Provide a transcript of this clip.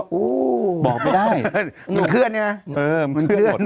ฮู้บอกไม่ได้มันเคลื่อนไงอ่ะมันเคลื่อนมันเคลื่อน